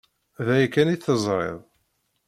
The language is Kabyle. D aya kan i teẓriḍ?